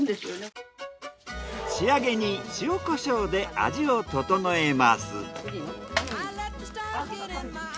仕上げに塩コショウで味を調えます。